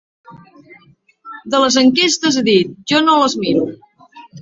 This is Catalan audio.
De les enquestes ha dit: Jo no les miro.